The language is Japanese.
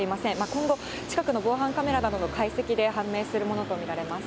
今後、近くの防犯カメラなどの解析で判明するものと見られます。